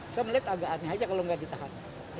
saya melihat agak aneh aja kalau nggak ditahan